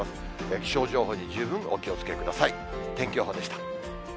気象情報に十分お気をつけください。